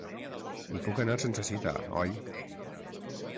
I puc anar-hi sense cita, oi'.